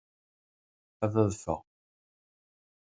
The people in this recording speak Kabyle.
Ad adfeɣ.